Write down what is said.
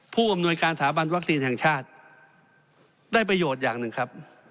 ผู้อำนวยการสถาบันวัคซีนแห่งชาติได้ประโยชน์อย่างหนึ่งครับ